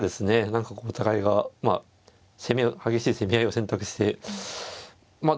何かお互いがまあ激しい攻め合いを選択してまあ